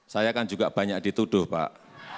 saya kan juga banyak dituduh pak